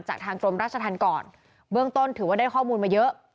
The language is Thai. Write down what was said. ทางกรมราชธรรมก่อนเบื้องต้นถือว่าได้ข้อมูลมาเยอะ